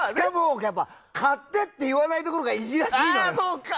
買ってって言わないところがいじらしいのよ。